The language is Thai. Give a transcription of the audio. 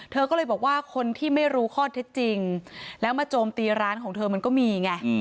เธอก็เลยบอกว่าคนที่ไม่รู้ข้อเท็จจริงแล้วมาโจมตีร้านของเธอมันก็มีไง